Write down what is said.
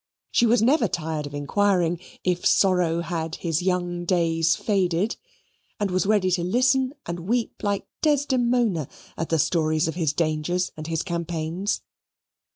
She was never tired of inquiring, if Sorrow had his young days faded, and was ready to listen and weep like Desdemona at the stories of his dangers and his campaigns.